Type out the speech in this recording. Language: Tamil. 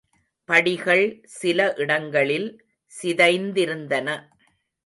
படிகள் சில இடங்களில் சிதைந்திருந்தன.